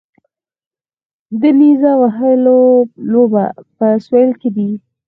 د نیزه وهلو لوبه په سویل کې ده